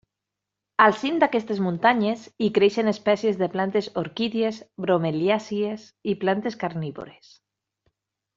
Al cim d'aquestes muntanyes hi creixen espècies de plantes orquídies, bromeliàcies, i plantes carnívores.